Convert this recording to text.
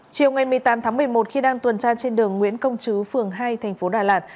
chiều một mươi tám một mươi một khi đang tuần tra trên đường nguyễn công chứ phường hai tp đà lạt